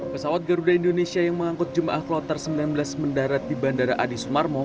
pesawat garuda indonesia yang mengangkut jemaah kloter sembilan belas mendarat di bandara adi sumarmo